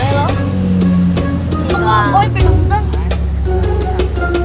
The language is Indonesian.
kok kok kok yang pegang pegang